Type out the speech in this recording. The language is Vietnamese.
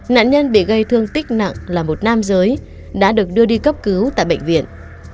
nạn nhân bị gây thương tích nặng là một nam giới đã được đưa đi cấp cứu tại bệnh viện